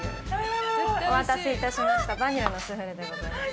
お待たせいたしましたヴァニラのスフレでございます。